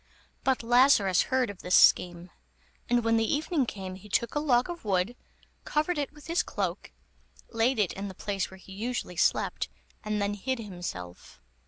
But Lazarus heard of this scheme, and when the evening came, he took a log of wood, covered it with his cloak, laid it in the place where he usually slept, and then hid himself.